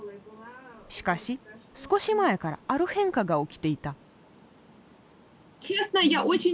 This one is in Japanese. しかし少し前からある変化が起きていた。